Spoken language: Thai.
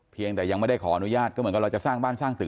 แต่ยังไม่ได้ขออนุญาตก็เหมือนกับเราจะสร้างบ้านสร้างตึก